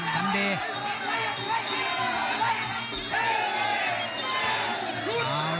ซัมเดย์